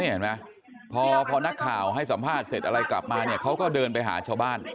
เห็นไหมพอนักข่าวให้สัมภาษณ์เสร็จอะไรกลับมาเนี่ยเขาก็เดินไปหาชาวบ้าน